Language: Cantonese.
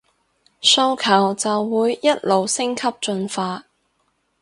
訴求就會一路升級進化